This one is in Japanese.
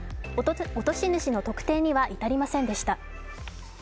落とし主の特定には至りませんでした。